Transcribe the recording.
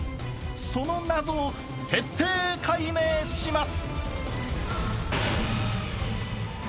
その謎を徹底解明します！